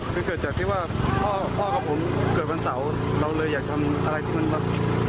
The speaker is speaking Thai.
คือเกิดจากที่ว่าพ่อกับผมเกิดวันเสาร์เราเลยอยากทำอะไรที่มันแบบ